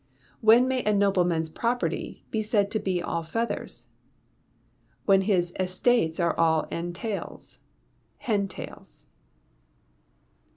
_ When may a nobleman's property be said to be all feathers? When his estates are all entails (hen tails).